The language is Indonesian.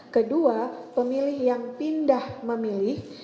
kedua pemilih yang pindah memilih